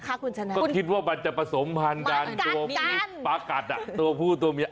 นะคะคุณฉันนะมันกัดกันคุณคิดว่ามันจะผสมผ่านกันปลากัดอ่ะตัวผู้ตัวเมีย